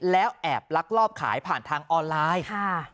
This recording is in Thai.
แล้วแอบลักลอบขายผ่านทางออนไลน์